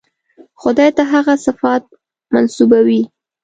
خدای ته هغه صفات منسوبوي.